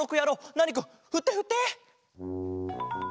ナーニくんふってふって！